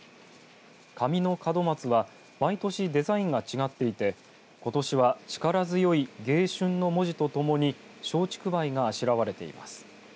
紙の門松は毎年デザインが違っていてことしは、力強い迎春の文字とともに松竹梅があしらわれています。